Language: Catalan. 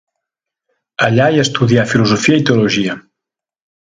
Allà hi estudià filosofia i teologia.